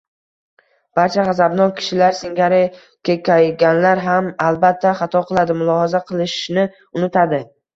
Barcha g‘azabnok kishilar singari kekkayganlar ham albatta xato qiladi, mulohaza qilishni unutadi